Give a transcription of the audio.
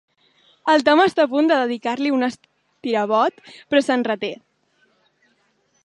El Tom està a punt de dedicar-li un estirabot, però se'n reté.